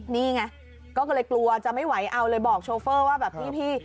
นี่ไงก็เลยกลัวจะไม่ไหวเอาเลยบอกโชเฟอร์ว่าแบบพี่